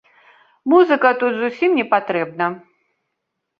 Музыка тут зусім не патрэбна.